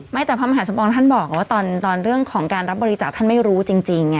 แต่พระมหาสมปองท่านบอกว่าตอนเรื่องของการรับบริจาคท่านไม่รู้จริง